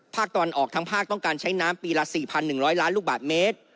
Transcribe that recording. ภาคตะวันออกทั้งภาคต้องการใช้น้ำปีละ๔๑๐๐ล้านลูกบาทเมตร